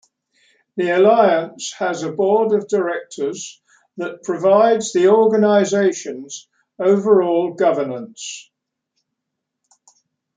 The Alliance has a board of directors that provides the organization's overall governance.